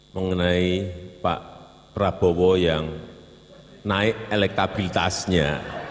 mengenai pak prabowo yang naik elektabilitasnya